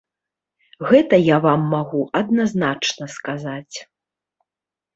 Гэта я вам магу адназначна сказаць.